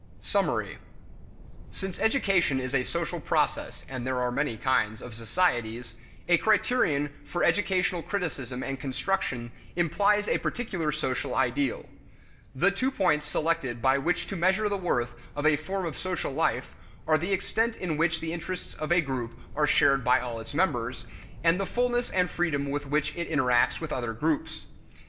Summary. Since education is a social process, and there are many kinds of societies, a criterion for educational criticism and construction implies a particular social ideal. The two points selected by which to measure the worth of a form of social life are the extent in which the interests of a group are shared by all its members, and the fullness and freedom with which it interacts with other groups.